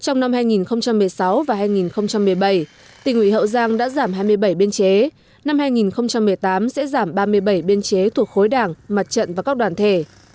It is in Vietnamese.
trong năm hai nghìn một mươi sáu và hai nghìn một mươi bảy tỉnh ủy hậu giang đã giảm hai mươi bảy biên chế năm hai nghìn một mươi tám sẽ giảm ba mươi bảy biên chế thuộc khối đảng mặt trận và các đoàn thể